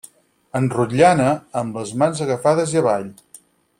En rotllana, amb les mans agafades i avall.